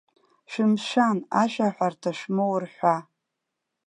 Шәымшәан, ашәаҳәарҭа шәмоур хәа.